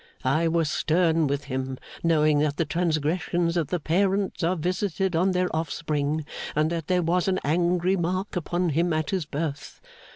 I was stern with him, knowing that the transgressions of the parents are visited on their offspring, and that there was an angry mark upon him at his birth.